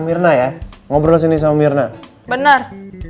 mirna ya ngobrol ini sama mirna bener